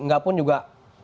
enggak pun juga